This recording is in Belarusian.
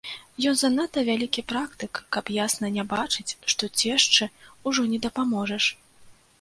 Ён занадта вялікі практык, каб ясна не бачыць, што цешчы ўжо не дапаможаш.